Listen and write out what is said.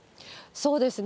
そうですね。